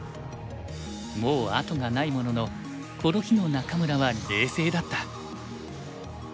もう後がないもののこの日の仲邑は冷静だった。